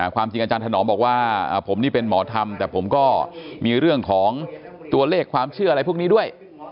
ความจริงอาจารย์ถนอมบอกว่าผมนี่เป็นหมอธรรมแต่ผมก็มีเรื่องของตัวเลขความเชื่ออะไรพวกนี้ด้วย